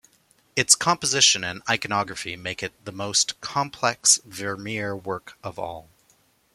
Its composition and iconography make it the most complex Vermeer work of all.